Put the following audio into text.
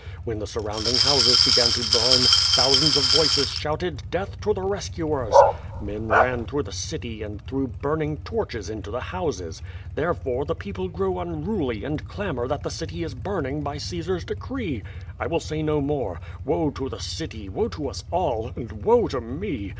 When the surrounding houses began to burn, thousands of voices shouted, "Dentil to the rescuers!" Men ran through the city and threw burning torches into the houses. Therefore, ^,2 QUO VADIS, the people grow iinnily and clamor that the city is burning by Caesar's decree. 1 will say no more. Woe to the city, woe to US all, and woe to me!